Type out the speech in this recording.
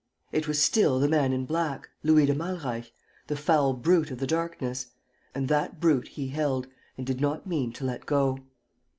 It was still the man in black, Louis de Malreich, the foul brute of the darkness; and that brute he held and did not mean to let go.